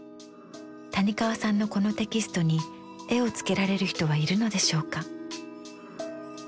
谷川さんのこのテキストに絵をつけられる人はいるのでしょうか？